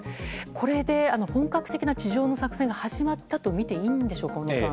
これで、本格的な地上の作戦が始まったとみていいんでしょうか、小野さん。